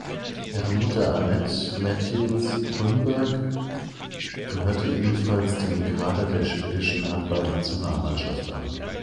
Ihre Mutter Anette Matthijs Holmberg gehörte ebenfalls dem Kader der schwedischen Handballnationalmannschaft an.